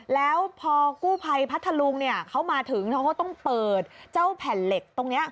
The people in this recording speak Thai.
แล้วพอกู้ไพพัทธรุงเขามาถึงเขาต้องเปิดแผ่นเหล็กตรงนี้